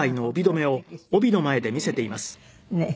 ねえ。